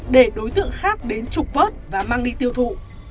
để đối tượng khác đến trục vớt và mang đi tiêu thụ